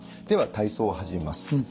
では体操を始めます。